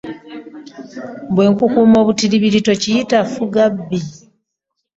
Bwe nkukuuma obutiribiri tokiyita ffugabbi.